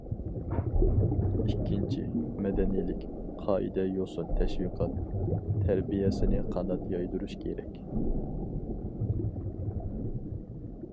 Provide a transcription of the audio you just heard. ئىككىنچى، مەدەنىيلىك، قائىدە- يوسۇن تەشۋىقات- تەربىيەسىنى قانات يايدۇرۇش كېرەك.